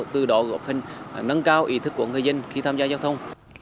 từ đó góp phần nâng cao ý thức của người dân khi tham gia giao thông